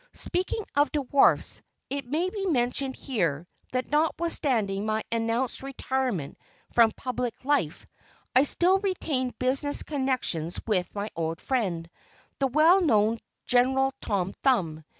Speaking of dwarfs, it may be mentioned here, that notwithstanding my announced retirement from public life I still retained business connections with my old friend, the well known General Tom Thumb.